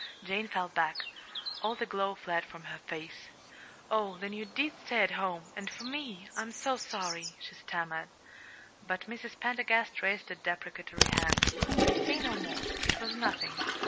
Jane fell back. All the glow fled from her face. "Oh, then you did stay at home and for me! I'm so sorry," she stammered. But Mrs. Pendergast raised a deprecatory hand. "Say no more. It was nothing.